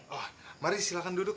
oh mari silahkan duduk